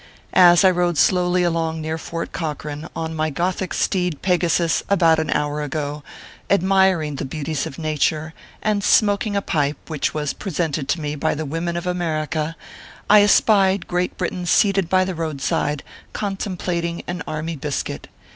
As I rode slowly along near Fort Corco ran, on my Gothic steed Pegasus, about an hour ago, admiring the beauties of Nature, and smoking a pipe which was presented to me by the Women of Amer ica, I espied Great Britain seated by the roadside, contemplating an army biscuit.